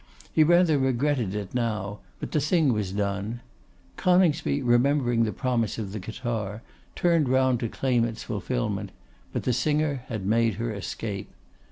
He rather regretted it now; but the thing was done. Coningsby, remembering the promise of the guitar, turned round to claim its fulfilment, but the singer had made her escape.